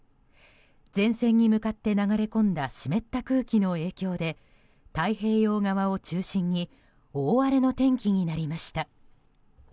前線に向かって流れ込んだ湿った空気の影響で太平洋側を中心に大荒れの天気になりました。